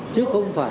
chứ không phải